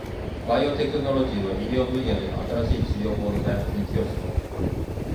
バイオテクノロジーは、医療分野での新しい治療法の開発に寄与している。